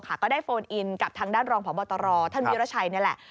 ก็ได้โฟนอินกับทางด้านรองพบตรท่านวิราชัยนี่แหละ